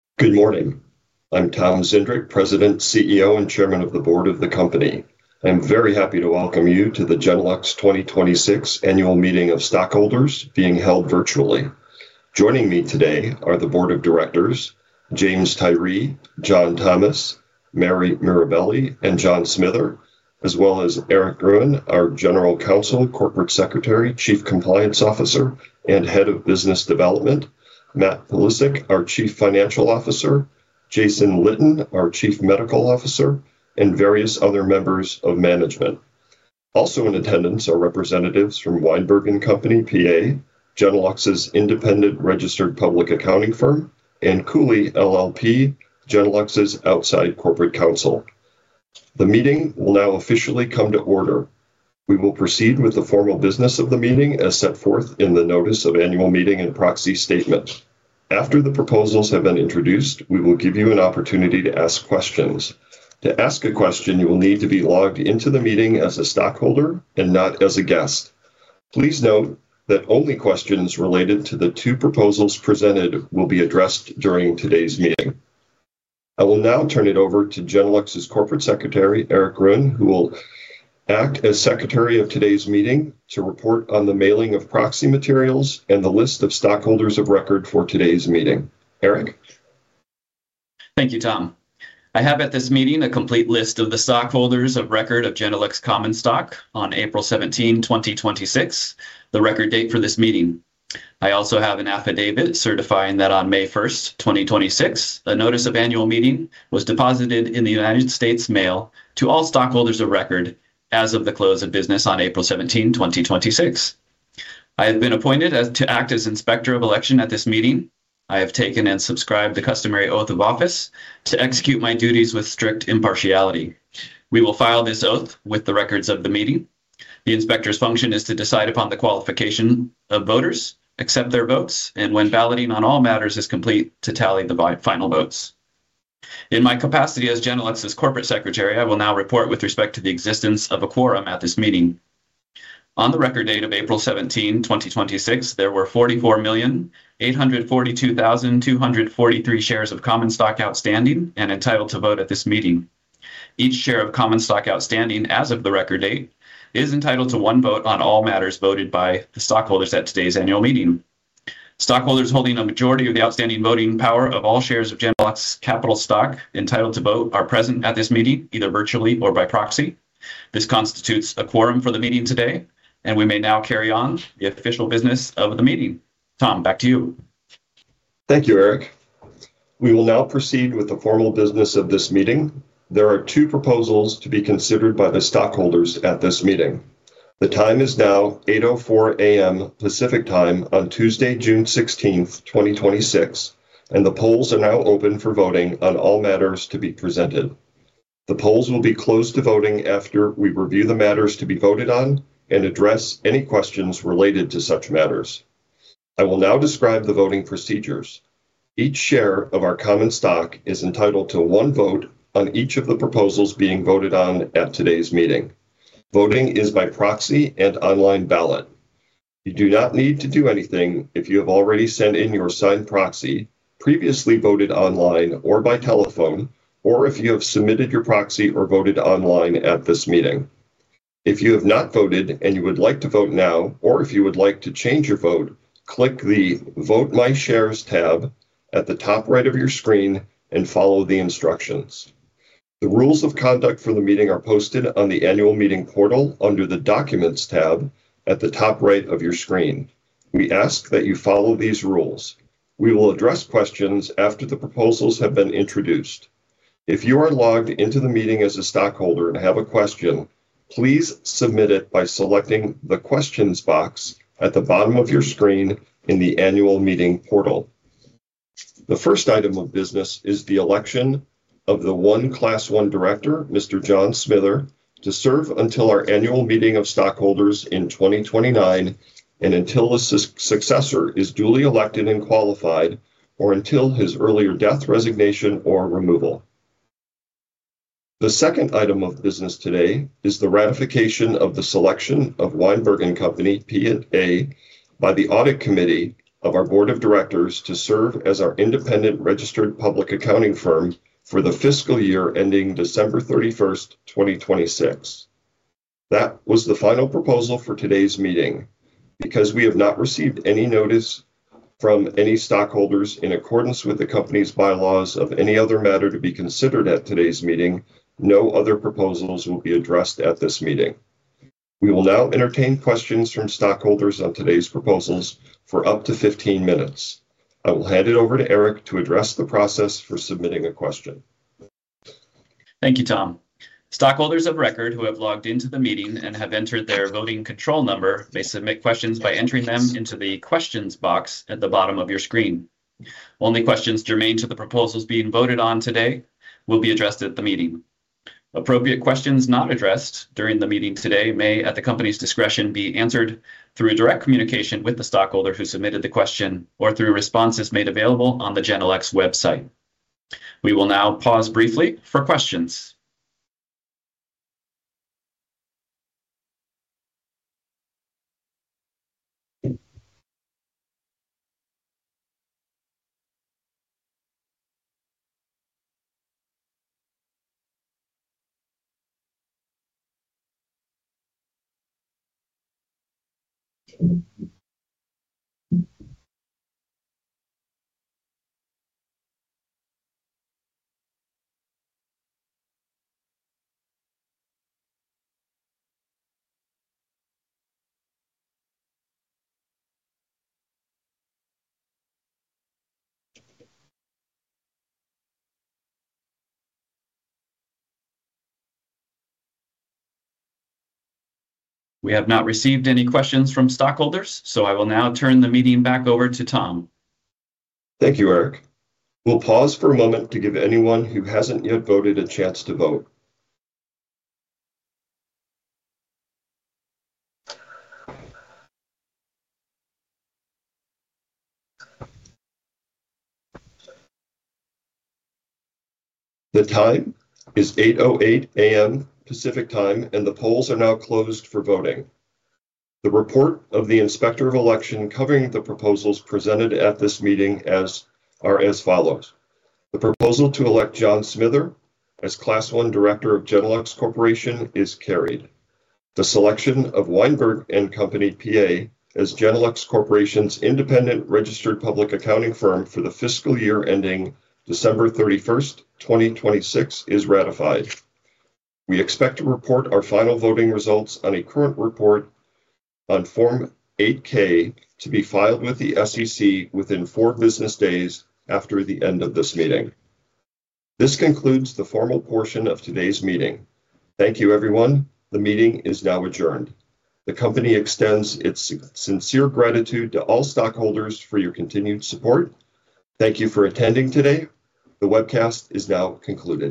Good morning. I'm Thomas Zindrick, President, CEO, and Chairman of the Board of the company. I'm very happy to welcome you to the Genelux 2026 Annual Meeting of Stockholders being held virtually. Joining me today are the board of directors, James Tyree, John Thomas, Mary Mirabelli, and John Smither, as well as Eric Groen, our General Counsel, Corporate Secretary, Chief Compliance Officer, and Head of Business Development, Matt Pulisic, our Chief Financial Officer, Jason Litten, our Chief Medical Officer, and various other members of management. Also in attendance are representatives from Weinberg & Company, P.A., Genelux's independent registered public accounting firm, and Cooley LLP, Genelux's outside corporate counsel. The meeting will now officially come to order. We will proceed with the formal business of the meeting as set forth in the notice of annual meeting and proxy statement. After the proposals have been introduced, we will give you an opportunity to ask questions. To ask a question, you will need to be logged into the meeting as a stockholder and not as a guest. Please note that only questions related to the two proposals presented will be addressed during today's meeting. I will now turn it over to Genelux's Corporate Secretary, Eric Groen, who will act as secretary of today's meeting to report on the mailing of proxy materials and the list of stockholders of record for today's meeting. Eric? Thank you, Tom. I have at this meeting a complete list of the stockholders of record of Genelux common stock on April 17, 2026, the record date for this meeting. I also have an affidavit certifying that on May 1st, 2026, a notice of annual meeting was deposited in the United States mail to all stockholders of record as of the close of business on April 17, 2026. I have been appointed to act as Inspector of Election at this meeting. I have taken and subscribed the customary oath of office to execute my duties with strict impartiality. We will file this oath with the records of the meeting. The inspector's function is to decide upon the qualification of voters, accept their votes, and when balloting on all matters is complete, to tally the final votes. In my capacity as Genelux's Corporate Secretary, I will now report with respect to the existence of a quorum at this meeting. On the record date of April 17, 2026, there were 44,842,243 shares of common stock outstanding and entitled to vote at this meeting. Each share of common stock outstanding as of the record date is entitled to one vote on all matters voted by the stockholders at today's annual meeting. Stockholders holding a majority of the outstanding voting power of all shares of Genelux capital stock entitled to vote are present at this meeting, either virtually or by proxy. This constitutes a quorum for the meeting today, and we may now carry on the official business of the meeting. Tom, back to you. Thank you, Eric Groen. We will now proceed with the formal business of this meeting. There are two proposals to be considered by the stockholders at this meeting. The time is now 8:04 A.M. Pacific Time on Tuesday, June 16th, 2026. The polls are now open for voting on all matters to be presented. The polls will be closed to voting after we review the matters to be voted on and address any questions related to such matters. I will now describe the voting procedures. Each share of our common stock is entitled to one vote on each of the proposals being voted on at today's meeting. Voting is by proxy and online ballot. You do not need to do anything if you have already sent in your signed proxy, previously voted online or by telephone, or if you have submitted your proxy or voted online at this meeting. If you have not voted and you would like to vote now or if you would like to change your vote, click the Vote My Shares tab at the top right of your screen and follow the instructions. The rules of conduct for the meeting are posted on the annual meeting portal under the Documents tab at the top right of your screen. We ask that you follow these rules. We will address questions after the proposals have been introduced. If you are logged into the meeting as a stockholder and have a question, please submit it by selecting the Questions box at the bottom of your screen in the annual meeting portal. The first item of business is the election of the one Class I director, Mr. John Smither, to serve until our annual meeting of stockholders in 2029 and until a successor is duly elected and qualified, or until his earlier death, resignation, or removal. The second item of business today is the ratification of the selection of Weinberg & Company, P.A., by the audit committee of our board of directors to serve as our independent registered public accounting firm for the fiscal year ending December 31st, 2026. That was the final proposal for today's meeting. Because we have not received any notice from any stockholders in accordance with the company's bylaws of any other matter to be considered at today's meeting, no other proposals will be addressed at this meeting. We will now entertain questions from stockholders on today's proposals for up to 15 minutes. I will hand it over to Eric to address the process for submitting a question. Thank you, Tom. Stockholders of record who have logged into the meeting and have entered their voting control number may submit questions by entering them into the Questions box at the bottom of your screen. Only questions germane to the proposals being voted on today will be addressed at the meeting. Appropriate questions not addressed during the meeting today may, at the company's discretion, be answered through direct communication with the stockholder who submitted the question or through responses made available on the Genelux website. We will now pause briefly for questions. We have not received any questions from stockholders, I will now turn the meeting back over to Tom. Thank you, Eric. We'll pause for a moment to give anyone who hasn't yet voted a chance to vote. The time is 8:08 A.M. Pacific Time, and the polls are now closed for voting. The report of the Inspector of Election covering the proposals presented at this meeting are as follows. The proposal to elect John Smither as Class I director of Genelux Corporation is carried. The selection of Weinberg & Company, P.A., as Genelux Corporation's independent registered public accounting firm for the fiscal year ending December 31st, 2026, is ratified. We expect to report our final voting results on a current report on Form 8-K to be filed with the SEC within four business days after the end of this meeting. This concludes the formal portion of today's meeting. Thank you, everyone. The meeting is now adjourned. The company extends its sincere gratitude to all stockholders for your continued support. Thank you for attending today. The webcast is now concluded.